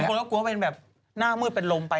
คนก็กลัวเป็นแบบหน้ามืดเป็นลมไป